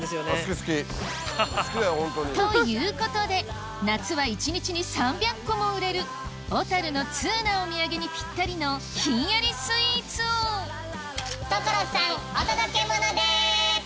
ということで夏は１日に３００個も売れる小樽の通なお土産にピッタリのひんやりスイーツを所さんお届けモノです！